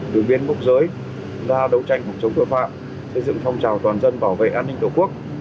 đường biên mốc giới ra đấu tranh phòng chống tội phạm xây dựng phong trào toàn dân bảo vệ an ninh tổ quốc